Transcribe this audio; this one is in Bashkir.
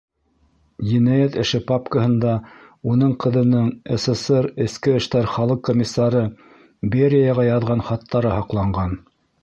Енәйәт эше папкаһында уның ҡыҙының СССР эске эштәр халыҡ комиссары Берияға яҙған хаттары һаҡланған.